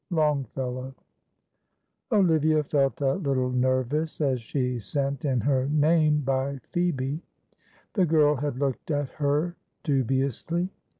Longfellow. Olivia felt a little nervous as she sent in her name by Phoebe; the girl had looked at her dubiously.